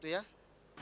itu ide yang bagus